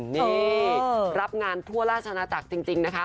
นี่รับงานทั่วราชนาจักรจริงนะคะ